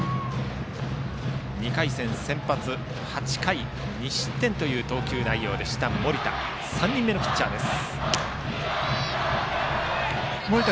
２回戦、先発、８回２失点投球内容の盛田が３人目のピッチャーです。